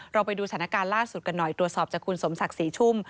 ไปดูสถานการณ์ล่าสุดกันหน่อยตรวจสอบจากคุณสมศักดิ์ศรีชุ่ม